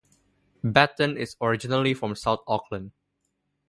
Batten is originally from South Auckland.